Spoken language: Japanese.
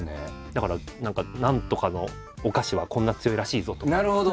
だから何か何とかのお菓子はこんな強いらしいぞとか。